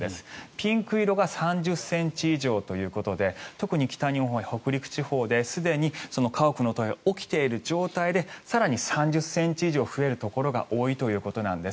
ピンク色が３０ｃｍ以上ということで特に北日本や北陸地方ですでに家屋の倒壊が起きている状態で更に３０ｃｍ以上増えるところが多いということなんです。